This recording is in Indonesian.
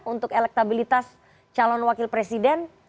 untuk elektabilitas calon wakil presiden